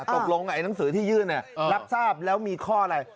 ตกลงหนังสือที่ยื่นรับทราบแล้วมีข้ออะไร